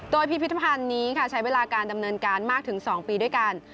โดยพิพิธภัณฑ์นี้ค่ะใช้เวลาการดำเนินการมากถึง๒ปีด้วยกัน